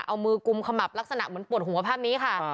เอามือกุมขมับลักษณะเหมือนปวดหัวภาพนี้ค่ะ